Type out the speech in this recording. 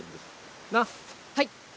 はい！